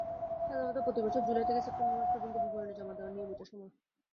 সাধারণত প্রতিবছর জুলাই থেকে সেপ্টেম্বর মাস পর্যন্ত বিবরণী জমা দেওয়ার নিয়মিত সময়।